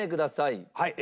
はい。